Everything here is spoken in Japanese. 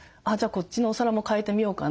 こっちのお皿も替えてみようかな。